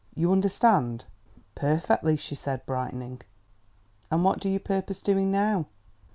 You understand?" "Perfectly," she said, brightening. "And what do you purpose doing now?"